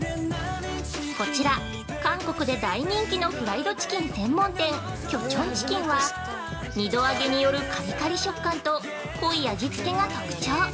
◆こちら韓国で大人気のフライドチキン専門店「キョチョン・チキン」は二度揚げによるカリカリ食感と濃い味付けが特徴。